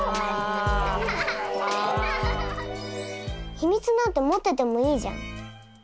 秘密なんて持っててもいいじゃん。